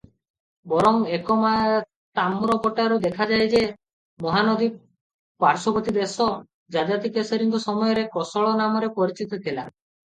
ବରଂ ଏକ ତାମ୍ରପଟାରୁ ଦେଖାଯାଏ ଯେ ମହାନଦୀ ପାର୍ଶ୍ୱବର୍ତ୍ତୀଦେଶ ଯଯାତିକେଶରୀଙ୍କ ସମୟରେ କୋଶଳ ନାମରେ ପରିଚିତ ଥିଲା ।